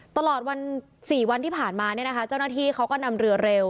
ตลอด๔วันที่ผ่านมาเจ้าหน้าที่เขาก็นำเรือเร็ว